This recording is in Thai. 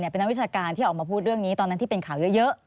เป็นนักวิชาการที่ออกมาพูดเรื่องนี้ตอนนั้นที่เป็นข่าวเยอะ